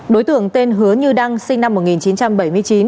đối tượng tên hứa như đăng sinh năm một nghìn chín trăm bảy mươi chín